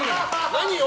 何を？